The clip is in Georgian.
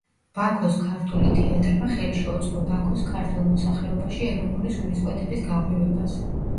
ბაქოს ქართული თეატრმა ხელი შეუწყო ბაქოს ქართველ მოსახლეობაში ეროვნული სულისკვეთების გაღვივებას.